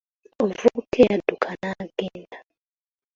Omuvubuka eyadduka n'agenda.